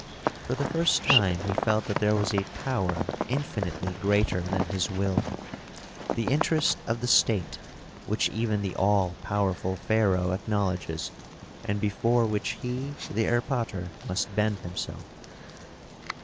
For the first time he felt that there was a power infinitely greater than his will, the interest of the state, which even the all powerful pharaoh acknowledges and before which he the erpatr must bend himself.